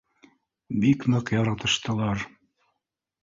Бик ныҡ яратыштылар